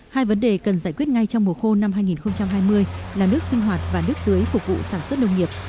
hai vấn đề cần giải quyết ngay trong mùa khô năm hai nghìn hai mươi là nước sinh hoạt và nước tưới phục vụ sản xuất nông nghiệp